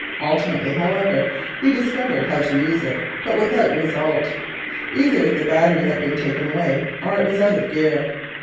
Ultimately, however, he discovered how to use it, but without result. Either the battery had been taken away, or it was out of gear.